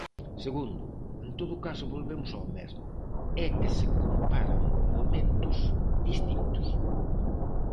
Segundo, en todo caso volvemos ao mesmo, é que se comparan momentos distintos.